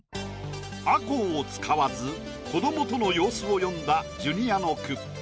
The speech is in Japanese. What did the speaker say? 「吾子」を使わず子どもとの様子を詠んだジュニアの句。